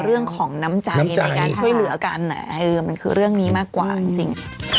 เรื่องของน้ำใจในการช่วยเหลือกันมันคือเรื่องนี้มากกว่าจริง